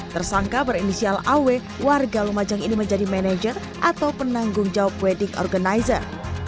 tersangka berinisial aw warga lumajang ini menjadi manajer atau penanggung jawab wedding organizer